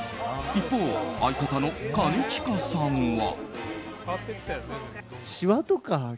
一方、相方の兼近さんは。